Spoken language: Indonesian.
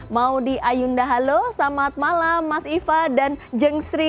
maudie ayunda halo selamat malam mas iva dan jeng sri